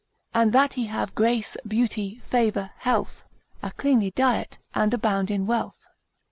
And that he have grace, beauty, favour, health, A cleanly diet, and abound in wealth.